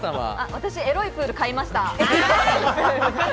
私、エロいプールを買いました。